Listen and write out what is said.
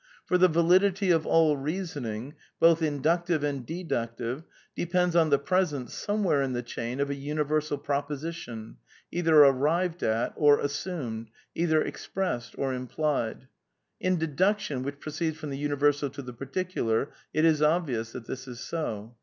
For the validity of all reasoning, both inductive and deductive, depends on the presence, somewhere in the chain, of a universal proposition, either arrived at or as sumed, either expressed or implied. In deduction, which proceeds from the universal to the particular, it is obvious that this is so.